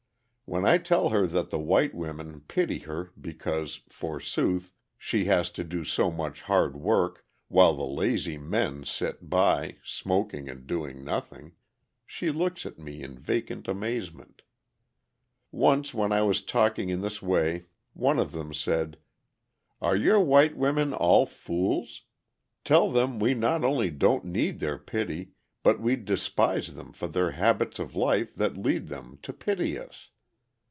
When I tell her that the white women pity her because, forsooth, "she has to do so much hard work, while the lazy men sit by, smoking, and doing nothing," she looks at me in vacant amazement. Once when I was talking in this way one of them said: "Are your white women all fools? Tell them we not only don't need their pity, but we despise them for their habits of life that lead them to pity us.